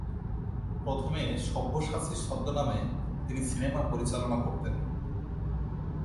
প্রথমে সব্যসাচী ছদ্মনামে সিনেমা পরিচালনা করতেন তিনি।